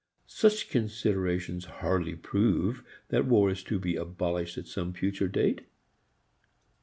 Such considerations hardly prove that war is to be abolished at some future date.